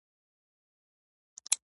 د سارا لاس شين شوی دی.